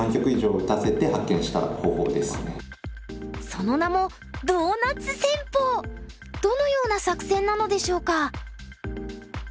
その名もどのような作戦なのでしょうか？